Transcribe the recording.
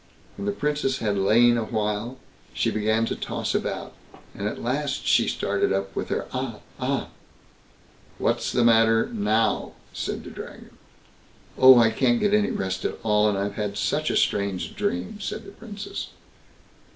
When the Princess had lain a while, she began to toss about, and at last she started up with her "Ah! ah!" "What's the matter now?" said the Dragon. "Oh! I can't get any rest at all, and I've had such a strange dream", said the Princess.